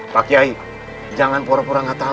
pak kia yusuf jangan pura pura nggak tahu deh